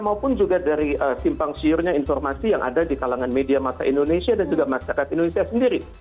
maupun juga dari simpang siurnya informasi yang ada di kalangan media masa indonesia dan juga masyarakat indonesia sendiri